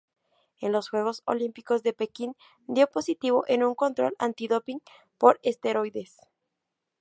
En los Juegos Olímpicos de Pekín dio positivo en un control antidoping por Esteroides.